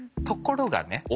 ところがね